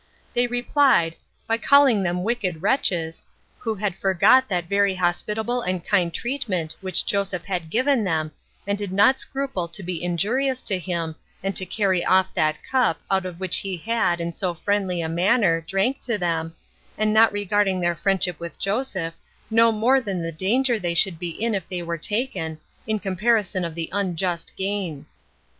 They replied, by calling them wicked wretches, who had forgot that very hospitable and kind treatment which Joseph had given them, and did not scruple to be injurious to him, and to carry off that cup out of which he had, in so friendly a manner, drank to them, and not regarding their friendship with Joseph, no more than the danger they should be in if they were taken, in comparison of the unjust gain.